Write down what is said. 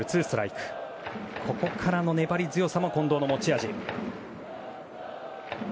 ここからの粘り強さも近藤の持ち味。